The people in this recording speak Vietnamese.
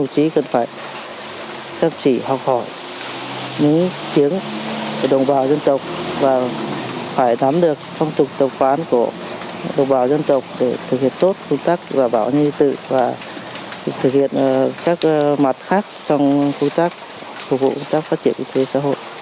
chỉ cần phải các sĩ học hỏi những chiến của đồng bào dân tộc và phải đắm được phong trục tổng phán của đồng bào dân tộc để thực hiện tốt phương tác đảm bảo an ninh trật tự và thực hiện các mặt khác trong phương tác phục vụ phương tác phát triển ưu tiên xã hội